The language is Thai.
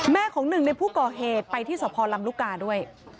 ของหนึ่งในผู้ก่อเหตุไปที่สพลำลูกกาด้วย